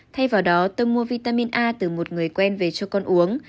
thay vào đó tâm mua vitamin a từ một người quen về cho con uống